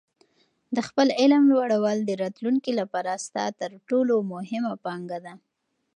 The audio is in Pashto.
د خپل علم لوړول د راتلونکي لپاره ستا تر ټولو مهمه پانګه ده.